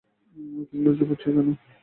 তুমি লজ্জা পাচ্ছো কেন।